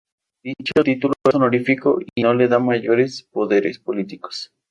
Dicho título es honorífico y no le da mayores poderes políticos.